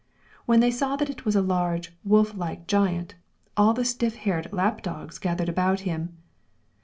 When they saw that it was a large, wolf like giant, all the stiff haired Lapp dogs gathered about him.